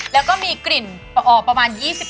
แล้วก็มีกลิ่นอ๋อประมาณ๒๐กว่ากลิ่นเลย